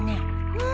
うん。